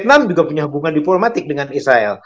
trump juga punya hubungan diplomatik dengan israel